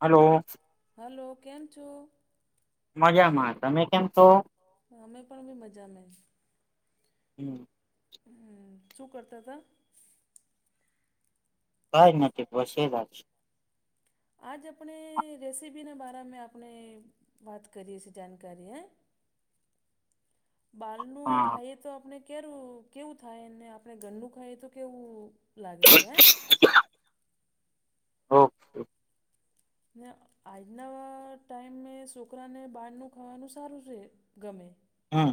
Hello hello કેમ છો મજામાં, તમે કેમ છો અમે પણ બી મજામાં હમ્મ હમ્મ, શું કરતાતા કાઈ નથી બસ [unintelligible] આજ આપણે રેસીપીના બારામે આપણે વાત કરીએ શી જાણકારી હે બાલનું હા ખાઈએ તો આપણે કેરુ કેવું થાય, ને આપણે ધરનું ખાઈએ તો કેવું લાગે છે હે ઓકે ને આજના ટાઈમમે સોકરાને બહારનું ખાવાનું સારું છે, ગમે હમ્મ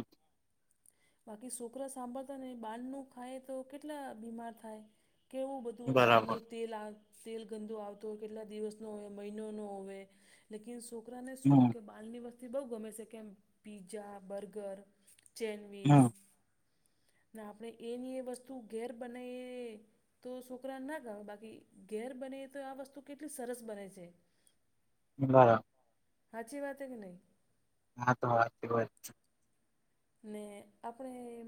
બાકી સોકરા સાંભળતા નહીં બાંરનું ખાય તો કેટલા બીમાર થાય કેવું બધું બરાબર બાલનું તેલ આ તેલ ગંદો આવતો હોય કેટલા દિવસનો હોય મહિનોનો હોવે લેકીન છોકરાને શું હમ કે હાલની વસ્તી બહુ ગમે છે કેમ પીઝા, બર્ગર, ચેનવીઝ હમ નેઆપણે એની એ વસ્તુ ઘેર બનાવીએ તો છોકરાને ના ગમે બાકી ઘેર બને તો આ વસ્તુ કેટલી સરસ બને છે બરા હાચી વાત હે ની હા, તો, હ, વાત ને આપણે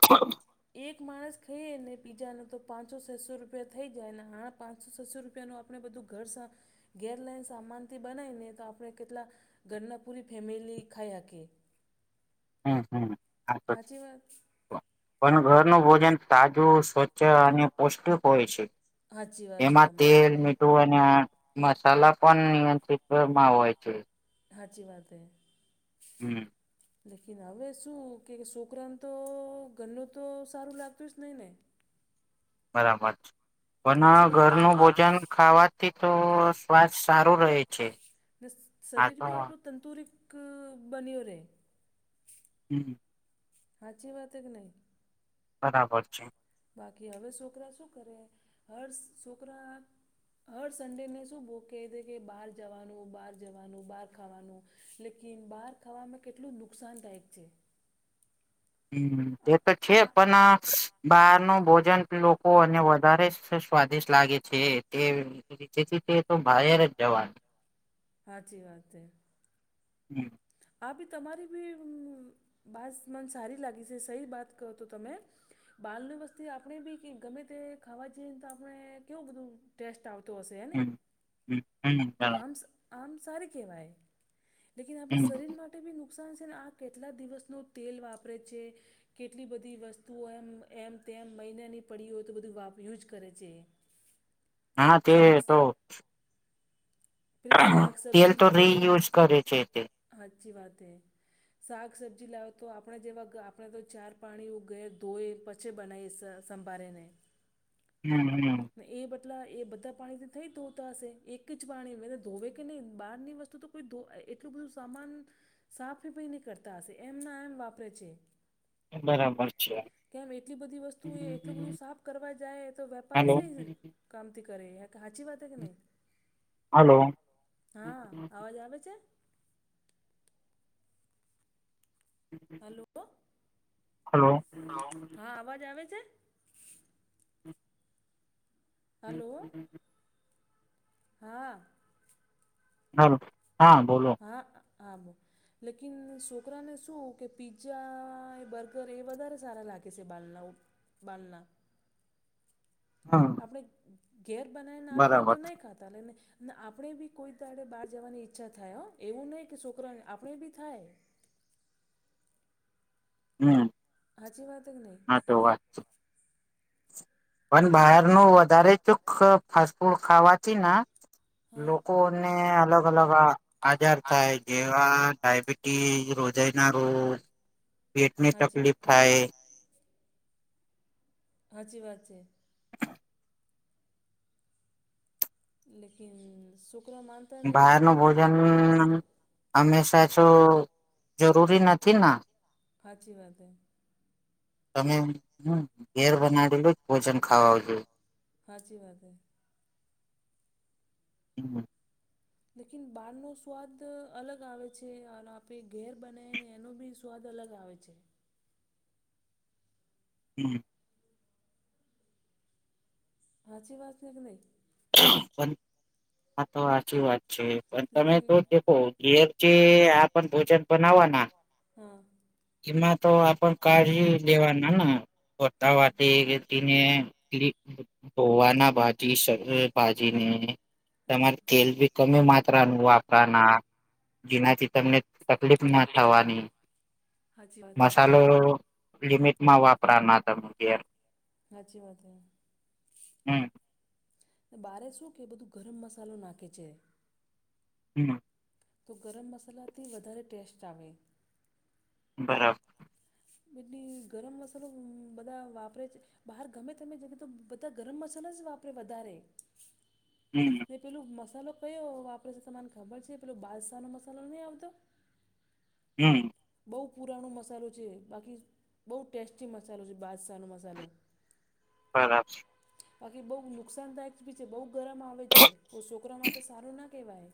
[unintelligible] એક માણસ ખાઈએ ને પીજા ન તો પાંચસો છસો રૂપિયા થઈ જાય ને આ પાંચસો, છસો રૂપિયાનું આપણે બધું ઘર સા ગેરલાઈન સામાનથી બનાવીને તો આપણે કેટલા ઘરના પૂરી ફેમિલી ખાઈ હકીએ હમ, હમ, હાચી વાત હ પણ ઘરનું ભોજન તાજું, સ્વચ્છ અને પૌષ્ટિક હોય છે હાચી વાત છે એમાં તમારી તેલ મી તેઓના મસાલા પણ નિયંત્રિતમાં હોય છે હાચી વાત હૈ હમ લેકિન હવે શું કે છોકરાન તો ધરનું તો સારું લાગતું જ નહીં ને બરાબર છે હાચી પણ વાત ઘરનું ભોજન ખાવા થી તો સ્વાસ સારું રહે છે ને હા શરીર તો ભી આપ તંતુરિતક બની હો રહે હમ હ હાછી વાત એક કે નહી બરાબર છે બાકી હવે છોકરા શું કરેહે હષ છોકરા હર સન્ડેને શું ભોગ કહે છે કે બહાર જવાનું, બહાર જવાનું, બહાર ખાવાનું લેકિન બહાર ખાવામાં કેટલું નુકસાનદાયક છે હમ, આ એ તો છે હા પણ બહાર ના ભોજન લોકો અને વધારે સ્વાદિષ્ટ લાગે છેએ તે જેથી તે તો બહર જ જવાનું હાચી વાત છે હમ આ ભી તમારી ભી બાસ મન સારી લાગી છે સહી વાત કહો તો તમે. બાલની વસ્તી આપણે બી ગમે તે ખાવા જઈએ ને તો આપણે કેવું બધું. ટેસ્ટ આવતો હશે એને હ હમ બરાબર આમ આમ સારી કહેવાય લેકન આપણે હમ શરીર માટે માટે બી નુકસાન છે ને આ કેટલા દિવસનું તેલ વાપરે છે કેટલી બધી વસ્તુઓ એમ એમ તેમ મહિનાની પડી હોય તો બધું વાપ યુઝ કરે છે [inaudible] હા તે શાક તો પલી સાક તેલ સબ્જી લાવે તો રીયુઝ કરે છે તે હાચી વાત હૈ શાક સબજી લાવ તો આપણે જેવા આપણે તો ચાર પાણી ઉ ગ ધોયી પછે બના સંભારેને હમ હમ ને એ બટલા એ બધા પાણીથી થઈ તોતા હશે એક જ પાણી. ધોવે કે નહી બહાર ની વસ્તુ તો કોઈ એટલું બધું સામાન. સાફ રીફઈ ન કરતા હશે એમ ના એમ વાપરે છે. બરાબર છે. કેમ એટલી બધી વસ્તુ એ એટલું બધું સાફ કરવા જાય તો વેપાર હલો સઈ જ. કામતી કરે હાચી વાત હે કે નહી. હલો. હા અવાજ આવે છે. હલો. હલો. હા અવાજ આવે છે. હલો હા. હલો હા બોલો. હા આમ. લેકિન છોકરાને શું કે પીઝા બર્ગર એ વધારે સારા લાગે છે બાલલા. બલલા. હમ આપણે ઘેર બનાવીને આપીને બરાબર તો નહી ખાતાને. ના આપણે બી કોઈ તડે બહાર જવાની ઈચ્છા થાય હો એવું નહીં કે છોકરાને આપણે બી થાય. હમ. હાચી વાત હે કે નહીં હા તો વાત છે. પણ લેકિન બહારનું વધારે ચૂક ફાસ્ટ ફૂડ ખાવાથી ના હા લોકો. ને અલગ અલગ આજાર થાય. જેવા ડયાબિટીસ રોજાઈ ના રોગ પેટની સાચી તકલીફ થાય. હાચી વાત છે. લેકીન શુક્ર માન બહાર નો ભોજ જ હમેશા શ જરૂરી નથી ના. હાચી વાત હે તમે હ ઘેર બનાડલું જ ભોજન ખાવાજો. હાચી વાત. [unintelligible] લેકીન બાર નુ સ્વાદ અલગ આવે છે અને આપે ઘેર બનાયે ને એનો બી સ સ્વાદ અલગ આવે છે. હમ. હાચી વાત છે કે નહી. પન આ તો હાચી વાત છે પણ તમે લેકિન તો [unintelligible] કેમ છે આ પન ભોજન બનાવાના. હા. એમાં તો આ પણ કાઢી દેવાના ને હમ વતાવાથી. એને એટ ધોવાના ભાજી [unintelligible] ભાજીને હા તમારે તેલ બી કમે માત્રાનું વાપરાના જેનાથી તમને તકલીફ ના થવાની સાચી વાત હે મસાલો લિમિટમાં વાપરાના તમે ઘેર. હાચી વાત હે. હમ બારે શું કે બધું ગરમ મસાલો નાખે છે. હમ. તો ગરમ મસાલાથી વધારે ટેસ્ટ આવે. બરાબર. બને ગરમ મસાલો બધા વાપરે છે. બહાર ગમે તમે જમે તો બધા ગરમ મસાલા જ વાપરે વધારે. હમ. નહી પેલું મસાલો કયો વાપરે છે તમને ખબર છે પેલો બાદશાહનો મસાલો નહીં આવતો. હમ. બહુ પુરાણો મસાલો છે બાકી બહુ ટેસ્ટી મસાલો છે બાદસાહનો મસાલો. [inaudible] બરા બાકી બહુ નુકસાનદાયક બી છે બહુ ગરમ આવે છે છોકરા માટે સારું ના કેહેવાય.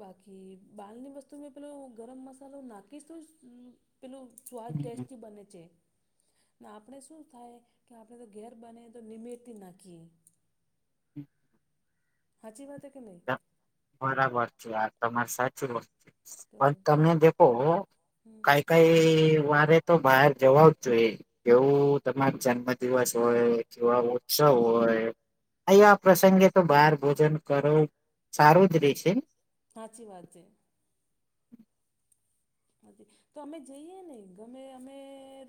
બાકી બાલની વસ્તુમાં પેલુ ગરમ મસાલો નાખીશ તો જ પેલું. સ્વાદ ટેસ્ટી બને છે. આપણે શું થાય કે આપણે તો ઘેર બને તો નિમેતી નાખીએ. હાચી વાત કે નહી. બરાબર છે આ તમારે સાચી વસ તો પણ તમે દેખો હું હમ કઈ કઈ વારે તો બહાર જવા જ જોઈએ કેવું તમારો જન્મ દિવસ હોય કેવા હોય સૌ હોય અહીયા પ્રસંગે તો બહાર ભોજન કરો સારું જ રેય છે. હાચી વાત છે. [inaudible] તો અમે જઈએ ને ગમે અમે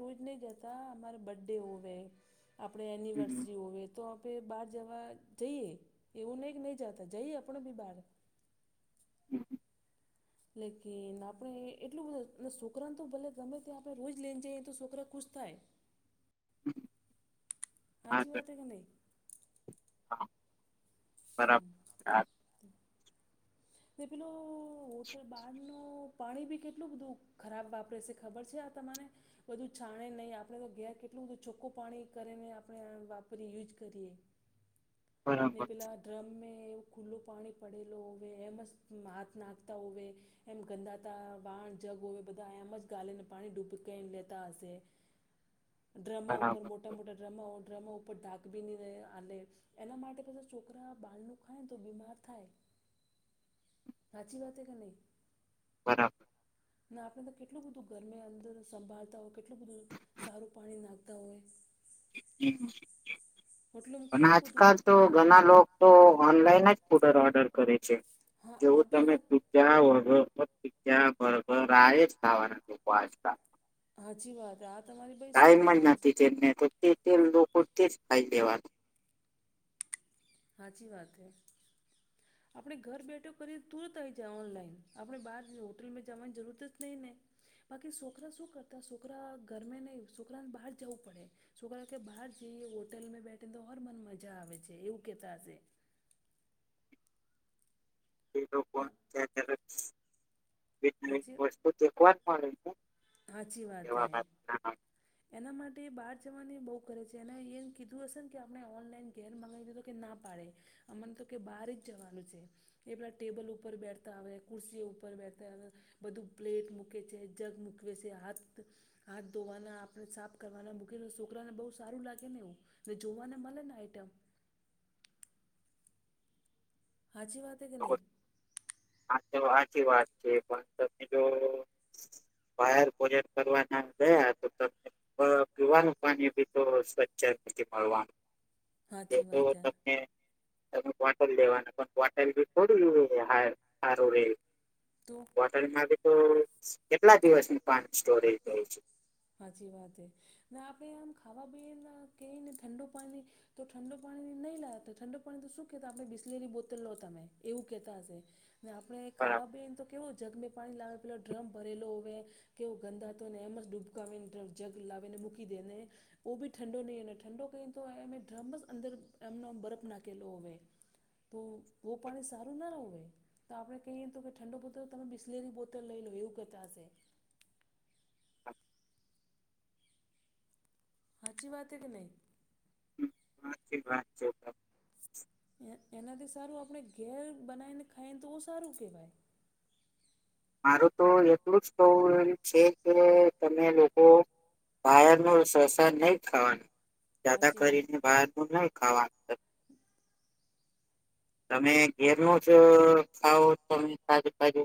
રોજ નહી જતા અમારે બર્ડે હોવે આપણે એનિવર્સરી હોવે તો બહાર જવા જઈએ એવું નહીં કે નહીં જતા જઈએ આપણ બી બહાર. [inaudible] લેકિન આપણે એટલું બધ સોકરાને તો ભલે તમે ત્યાં આપણે રોજ લઈને જઈએ તો સોકરા ખુશ થાય. [inaudible] હાચી વાત હે કે નહી. હમ. બરાબર ને પેલું હોટલ બાર નું પાણી બી કેટલું બધું ખરાબ વાપરે સે ખબર છે આ તમને. બધું છાણે નહીં આપણે તો ઘેર કેટલું બધું ચોખ્ખું પાણી કરીને આપણે વાપરીએ યુઝ કરીએ. ને બરાબર પેલા ડ્રમ એવ ખુલ્લું પાણી પડેલ હોવે એમ જ હાથ નાખતા હોવે એમ ગંદાતા વાણ જગ હો બધા એમ જ ગાલીને પાણી ડૂબને લેતા હશે. ડ્રમા ઉપર મોટા બરાબર મોટા ડ્રમા ડ્રમા ઉપર ડાક બીની આ એના માટે પછી છોકરા બાલનું ખાય ને તો બીમાર થાય. સાાચી વાત કે નહી. હા ને આપણે તો કેટલું બધું ઘરમે અંદર સંભાળતા હોય, કેટલું બધું સારું પાણી નાખતા હોય, મતલબ અને કેવું બધું આજકાલ કા તો ઘણા લોકો ઓનલાઈન જ ફૂડ ઓર્ડર કરે છે હા આ જેવું બી તમે હા કયાં વઘર ફક્ત પીઝા બર્ગ આયજ ખાવાના આજકાલ હાચી વાત આ તમારી ભાઈ ટાઈમ જ નથી તેલ ને તો તે તેલ લોકો તેજ ખાઈ દેવાનું હાચી વાત હ. આપણે ઘર બેઠો કરીને તુરત આઈ જાય ઓનલાઈન આપણે બહાર હોટલમાં જવાની જરૂરત જ નહીં ને. બાકી છોકરા શું કરતા છોકરા ગરમે નહિ છોકરાને બહાર જવું પડે. છોકરા કે બહાર જઈએ હોટલમાં બેઠીને તો ઓર મન મજા આવે છે એવું કેતા હશે. તે લોકો હ [unintelligible] હાચી વાત હે [inaudible] એના માટે બહાર જવાની બહુ કરે છે એને એમ કીધું હશે ને કે આપણે ઓનલાઈન ઘેર મગાવી દીધું કે ના પાડે. અમન તો કે બહાર જ જવાનું છે, એ પેલા ટેબલ ઉપર બેઠતા આવે, કુર્સી ઉપર બેઠતા આવે બધું પ્લેટ મૂકે છે, જગ મુૂકવે છે હાથ હાથ ધોવાના આપણે સાફ કરવાના મૂકી છોકરાને બહુ સારું લાગે ને એવું ને જોવાને મળે ને આઈટમ હાચી વાત કે નહીં હા, તો આચી વાત છે પણ તમે જો ફાયર પ્રોજેક્ટ કરવા ના ગયા તો તમે પીવાનું પાણી બી તો સ્વચ્છ મળવાનું તો સાચી વાત હે તને ત ક્ટલ લેવાનું પણ ક્ટલ બી થોડું હ હારુ તો હોટલમાં તો કેટલા દિવસનું પાણી સ્ટોરેજ રહેતું હોઈ છે, સાચી વાત એ ને આપણે આમ ખાવા બેયે ને ક ઠંડુ પાણી તો ઠંડો પાણી નહીં લાવ ઠંડો પાણી તો શું કેતા આપણે બિસલેલી બોતલ લો તમેં એવું કેતા હશે, ને આપણે બરાબર ખાવા બે ન તો કેવો જગમે પાણી લાવે પેલો ડ્રમ ભરેલો હોય, કેવો ગંદા હતો ને એમ જ ડૂબ મૂ કવે જગ લાવેને મુકી દને ઓબી ઠંડો નહીં અને ઠંડો તોય અ ડ્રમ બસ અંદર એમનો બરફ નાખેલો હવે તો વો પાણી સારું ના રહે ભાઈ તો આપણે કહીએ તો કે ઠંડ બ પોતો તમે બિસ્લેરી બોતલ લઈ લો એવું કતા હશે, [unintelligible] હાચી વાત એ કે નહી- હા ચી વાત છે, એ એનાથી સારું આપણે ઘેર બનાવીને ખાઈએને તો એું સારું કહેવાય, મારું તો એટલું [unintelligible] છે કે તમે લોકો? બાર ન શસ નહી ખાવાનું દાદા સાચી વાત કરીને બહાર નુ નહી ખાવાનું- [inaudible] તમે ઘેર ન જ ખાવો તમે તાજુ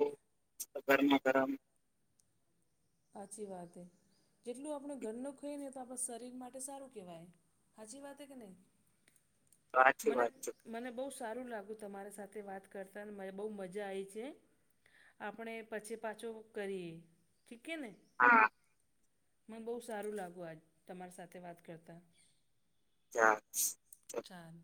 તજુ ગરમા ગરમ હાચી વાત એ જેટલું આપણે ઘર નુ ખોઈએ ને તો આપડા શરીર માટે સારું કેહેવાય, સાચી વાત કે નહી સાચી મને વાત છે મને બહુ સારું લાગ્યું તમારા સાથે વાત કરતા અને મને બહુ મજા આવી છે, આપણે પછી પાછો કરીએ ઠીક હે ને હા મને બહુ સારું લાગુ આજ તમારી સાથે વાત કરતા, [unintelligible] ચાલ-